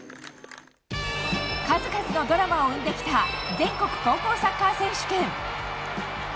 数々のドラマを生んできた全国高校サッカー選手権。